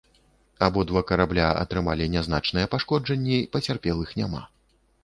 Абодва карабля атрымалі нязначныя пашкоджанні, пацярпелых няма.